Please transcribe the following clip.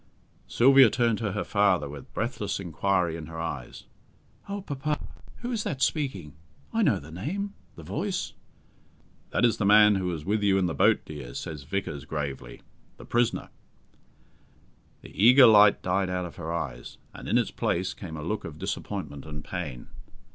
Sylvia turned to her father with breathless inquiry in her eyes. "Oh, papa! who is that speaking? I know the name! the voice!" "That is the man who was with you in the boat, dear," says Vickers gravely. "The prisoner." The eager light died out of her eyes, and in its place came a look of disappointment and pain.